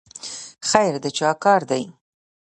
خیر د چا کار دی؟